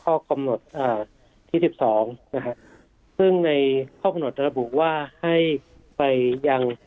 ข้อกำหนดอ่าที่สิบสองนะฮะซึ่งในข้อกำหนดระบุว่าให้ไปยัง